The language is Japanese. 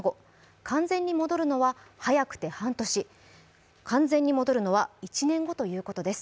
完全に戻るのは早くて半年、完全に戻るのは１年後ということです。